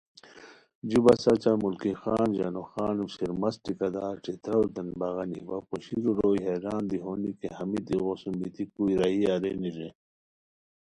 جو بس اچہ ملکی خان، ژانوخان وا شیرمست ٹھیکہ دار ݯھتراروتین بغانی وا پوشیرو روئے حیران دی ہونی کی ہمیت ایغوسُم بیتی کُوئی راہی ارینی رے